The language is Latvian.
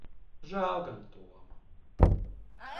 Žēl gan Toma.